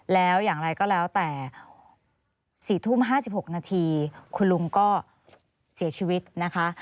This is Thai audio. แล้วอย่างไรก็แล้วแต่๔ทุ่ม๕๖นาทีคุณลุงก็เสียชีวิตนะคะ